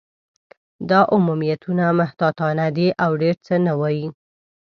دا عمومیتونه محتاطانه دي، او ډېر څه نه وايي.